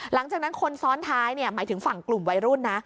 หลังจากนั้นคนซ้อนท้ายหมายถึงฝั่งกลุ่มวัยรุ่นนะ